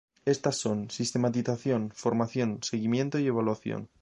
Estas son: sistematización, formalización, seguimiento y evaluación.